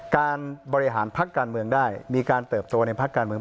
การบริหารพักการเมืองได้มีการเติบโตในพักการเมือง